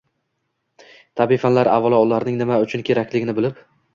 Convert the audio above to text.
tabiiy fanlarni avvalo ularning nima uchun kerakligini bilib